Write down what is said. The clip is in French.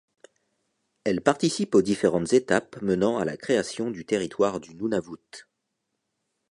Elle participe aux différentes étapes menant à la création du territoire du Nunavut.